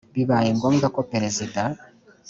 bibaye ngombwa ko perezidaaza